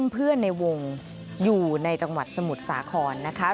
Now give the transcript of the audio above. เพื่อนในวงอยู่ในจังหวัดสมุทรสาครนะคะ